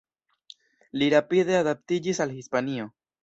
Li rapide adaptiĝis al Hispanio.